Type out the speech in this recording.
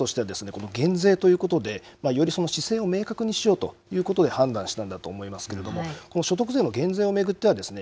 この減税ということでよりその姿勢を明確にしようということで判断したんだと思いますけれどもこの所得税の減税を巡ってはですね